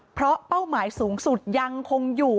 เพราะเป้าหมายสูงสุดยังคงอยู่